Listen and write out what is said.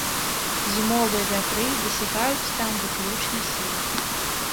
Зімовыя вятры дасягаюць там выключнай сілы.